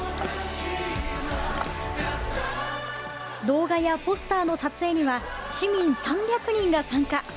動画やポスターの撮影には市民３００人が参加。